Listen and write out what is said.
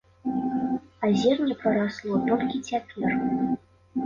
А зерне прарасло толькі цяпер.